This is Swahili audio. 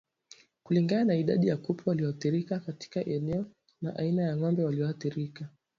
Kulingana na idadi ya kupe walioathirika katika eneo na aina ya ng'ombe walioathirika